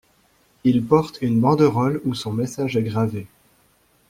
Il porte une banderole où son message est gravé.